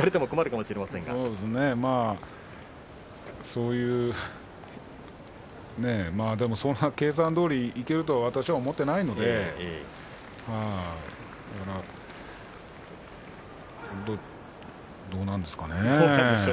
そういう計算どおりにいけるとは私は思っていないのでどうなんでしょうかね。